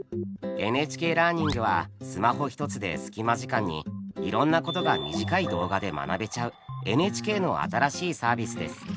「ＮＨＫラーニング」はスマホ１つで隙間時間にいろんなことが短い動画で学べちゃうＮＨＫの新しいサービスです。